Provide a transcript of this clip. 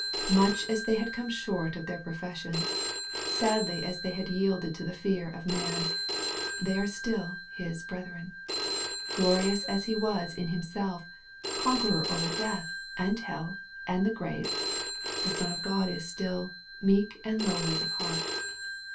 Much as they had come short of their profession, — sadly as they had yielded to the fear of man, — they are still His " brethren." Glorious as He was in Himself, — a conqueror over death, and hell, and the grave, the Son of God is still " meek and lowly of heart."